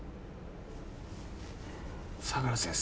相良先生。